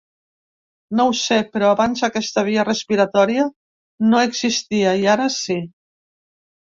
No ho sé, però abans aquesta via respiratòria no existia i ara sí.